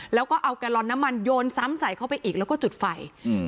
แล้วก็เอาแกลลอนน้ำมันโยนซ้ำใส่เข้าไปอีกแล้วก็จุดไฟอืม